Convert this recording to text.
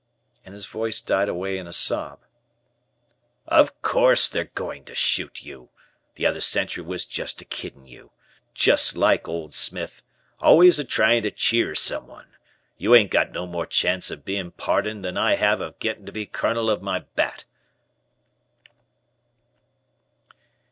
and his voice died away in a sob. "Of course, they're going to shoot you. The other sentry was jest a kiddin' you. Jest like old Smith. Always a tryin' to cheer some one. You ain't got no more chance o' bein' pardoned than I have of gettin' to be Colonel of my 'Batt.'"